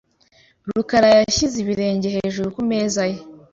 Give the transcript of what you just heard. rukara yashyize ibirenge hejuru ku meza ye .